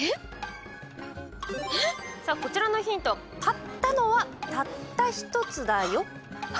こちらのヒントは買ったのは「たった」１つだよ。